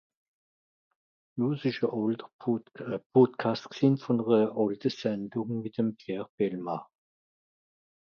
jo 's esch a àlter Podcast gsin von ere àlte Sendung mit'm Pierre Bellemare